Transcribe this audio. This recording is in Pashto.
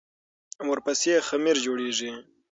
ورپسې خمیر جوړېږي.